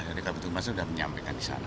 dari kabupaten sudah menyampaikan di sana